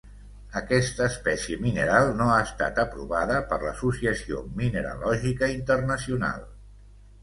Aquesta espècie mineral no ha estat aprovada per l'Associació Mineralògica Internacional.